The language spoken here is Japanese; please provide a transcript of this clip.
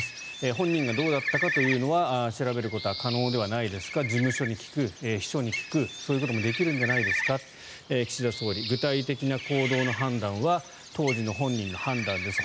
本人がどうだったかというのは事務所に聞く、秘書に聞くそういうこともできるんじゃないですか岸田総理、具体的な行動の判断は当時の本人の判断です。